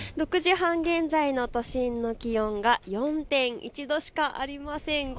６時半現在の都心の気温が４．１度しかありません。